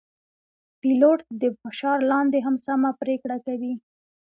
پیلوټ د فشار لاندې هم سمه پرېکړه کوي.